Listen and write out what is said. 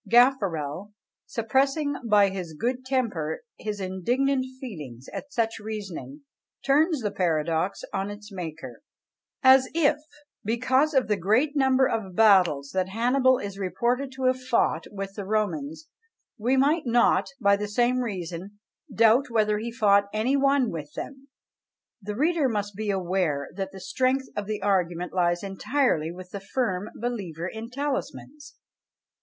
Gaffarel, suppressing by his good temper his indignant feelings at such reasoning, turns the paradox on its maker: "As if, because of the great number of battles that Hannibal is reported to have fought with the Romans, we might not, by the same reason, doubt whether he fought any one with them." The reader must be aware that the strength of the argument lies entirely with the firm believer in talismans.